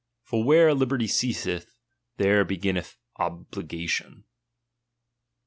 For where liberty ceaaeth, there beginneth obligation.